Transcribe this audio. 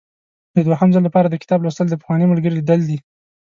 د دوهم ځل لپاره د کتاب لوستل د پخواني ملګري لیدل دي.